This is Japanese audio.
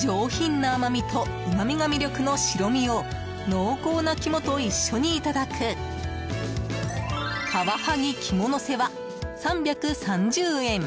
上品な甘みとうまみが魅力の白身を濃厚な肝と一緒にいただくかわはぎ肝のせは３３０円。